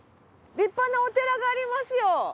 立派なお寺がありますよ。